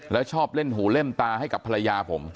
แล้วชอบเล่นหูเล่นตาให้กับภรรยาผม